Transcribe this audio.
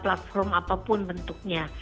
plattform apapun bentuknya